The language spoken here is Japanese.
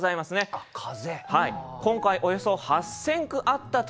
あっ風。